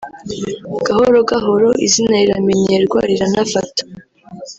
gahoro gahoro izina riramenyerwa riranafata